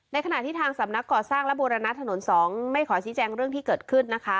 ขณะที่ทางสำนักก่อสร้างและบูรณะถนน๒ไม่ขอชี้แจงเรื่องที่เกิดขึ้นนะคะ